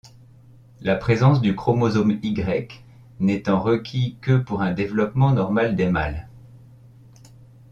La présence du chromosome Y n'étant requis que pour un développement normal des mâles.